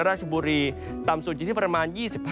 ราชบุรีต่ำสุดอยู่ที่ประมาณ๒๕